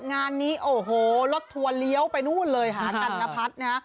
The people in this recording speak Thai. งานนี้โอ้โหลดถั่วเลี้ยวไปหนูะเลยหากัณพัทนะ